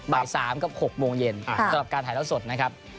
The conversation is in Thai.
บ่าย๓กับ๖โมงเย็นสำหรับการถ่ายแล้วสดนะครับ